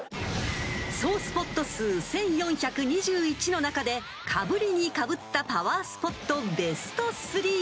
［総スポット数１，４２１の中でかぶりにかぶったパワースポット］